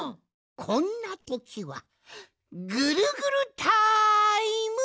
こんなときはぐるぐるタイム！